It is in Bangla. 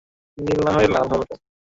প্রতিটি বন্দুকের নিজস্ব সুর আছে।